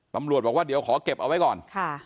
ตำรวจบอกว่าเดี๋ยวขอเก็บเอาไว้ก่อน